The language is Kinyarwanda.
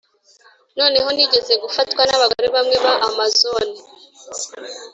noneho nigeze gufatwa nabagore bamwe ba amazone